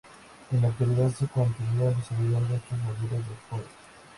En la actualidad se continúan desarrollando estos modelos de Ford.